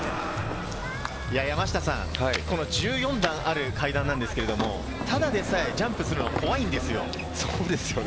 山下さん、１４段ある階段なんですけれども、ただでさえ、ジャンプするの怖いんですよ。